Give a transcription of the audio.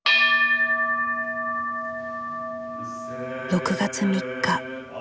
６月３日。